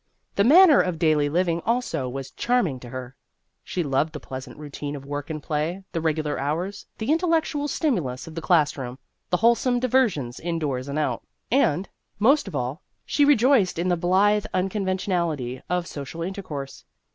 The manner of daily living, also, was charming to her. She loved the pleasant routine of work and play, the regular hours, the intellectual stimulus of the classroom, the wholesome diversions in doors and out, and, most of all, she re joiced in the blithe unconventionality of social intercourse.